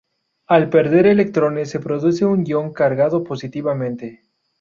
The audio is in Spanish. Al perder electrones se produce un ion cargado positivamente.